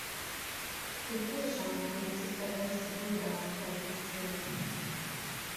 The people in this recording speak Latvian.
Tu tiešām tici, ka esi gudrāks par visiem.